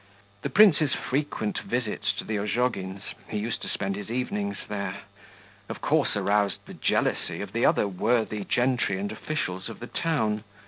The prince's frequent visits to the Ozhogins (he used to spend his evenings there) of course aroused the jealousy of the other worthy gentry and officials of the town.